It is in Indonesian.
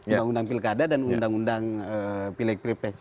undang undang pilkada dan undang undang pilih kripes